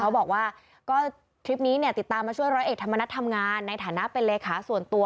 เขาบอกว่าก็คลิปนี้เนี่ยติดตามมาช่วยร้อยเอกธรรมนัฐทำงานในฐานะเป็นเลขาส่วนตัว